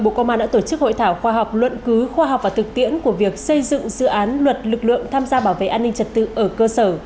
bộ công an đã tổ chức hội thảo khoa học luận cứ khoa học và thực tiễn của việc xây dựng dự án luật lực lượng tham gia bảo vệ an ninh trật tự ở cơ sở